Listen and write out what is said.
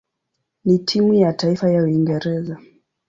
na timu ya taifa ya Uingereza.